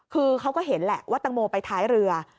คือเขาก็เห็นแหละว่าตังโมไปท้ายเรือ